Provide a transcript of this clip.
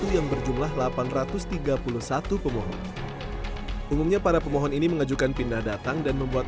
dua ribu dua puluh satu yang berjumlah delapan ratus tiga puluh satu pemohon umumnya para pemohon ini mengajukan pindah datang dan membuat